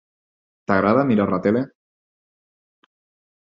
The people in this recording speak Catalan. T'agrada mirar la tele?